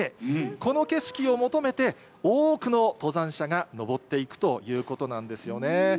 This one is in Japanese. この景色を求めて、多くの登山者が登っていくということなんですよね。